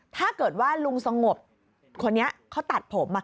ถ้าเกิดว่าลุงสงบคนนี้เขาตัดผม